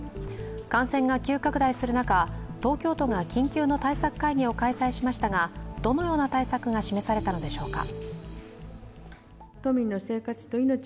感染が急拡大する中東京都が緊急の対策会議を開催しましたがどのような対策が示されたのでしょうか。